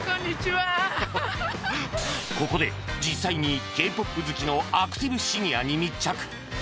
ここで実際に Ｋ−ＰＯＰ 好きのアクティブシニアに密着